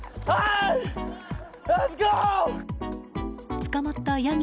捕まったヤギ